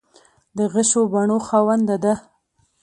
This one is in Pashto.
د غشو بڼو خاونده ده